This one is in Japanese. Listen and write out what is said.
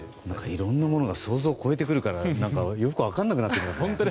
いろんなものが想像を超えてくるからよく分からなくなってくる。